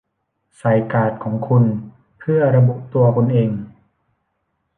ใส่การ์ดของคุณเพื่อระบุตัวคุณเอง